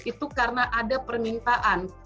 itu karena ada permintaan